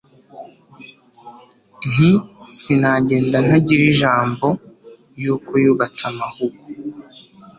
Nti sinagenda ntagira ijambo yuko yubatse amahugu